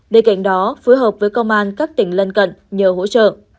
bên cạnh đó phối hợp với công an các tỉnh lân cận nhờ hỗ trợ